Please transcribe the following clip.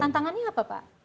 dan tangganya apa pak